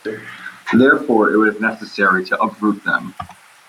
Therefore it was necessary to uproot them.